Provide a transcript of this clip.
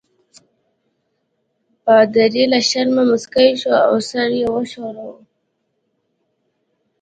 پادري له شرمه مسکی شو او سر یې وښوراوه.